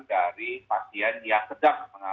dari pasien yang tidak bisa dikembangkan